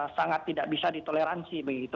sangat tidak bisa ditoleransi begitu